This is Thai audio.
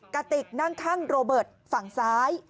กระติกนั่งข้างโรเบิร์ตฝั่งซ้าย